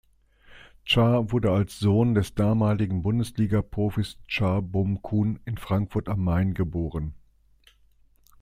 Cha wurde als Sohn des damaligen Bundesligaprofis Cha Bum-kun in Frankfurt am Main geboren.